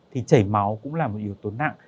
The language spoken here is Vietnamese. thì chảy máu cũng là một yếu tố nặng